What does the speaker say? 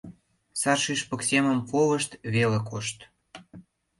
Сар шӱшпык семым колышт веле кошт!